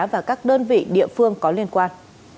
và các đơn vị địa phương có liên quan